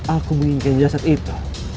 aku menginginkan jasad itu